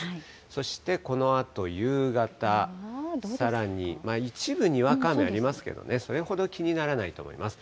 そしてこのあと夕方、さらに一部にわか雨がありますけどね、それほど気にならないと思います。